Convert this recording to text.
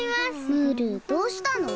ムールどうしたの？